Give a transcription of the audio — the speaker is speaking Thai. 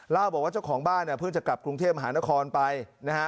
เล่าบอกว่าเจ้าของบ้านเนี่ยเพิ่งจะกลับกรุงเทพมหานครไปนะฮะ